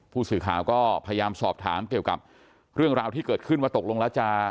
ผู้สื่อข่าวก็พยายามสอบถามเกี่ยวกับเรื่องราวที่เกิดขึ้นว่าตกลงแล้วจะ